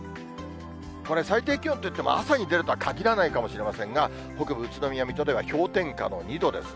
これ、最低気温といっても朝に出るとはかぎらないかもしれませんが、北部、宇都宮、水戸では氷点下の２度ですね。